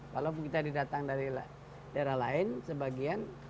walaupun kita didatang dari daerah lain sebagian